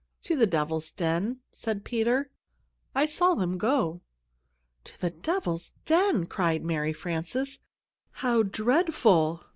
"To the Devil's Den," said Peter. "I saw them go." "To the Devil's Den!" cried Mary Frances. "How dreadful!"